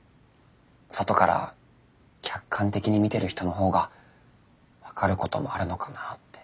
外から客観的に見てる人のほうが分かることもあるのかなって。